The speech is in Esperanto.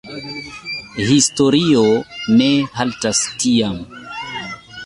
Historio ne haltas tiam.